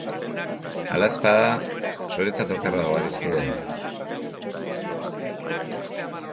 Hala ez bada... zuretzat okerrago, adiskide.